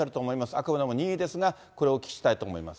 あくまでも任意ですが、これをお聞きしたいと思います。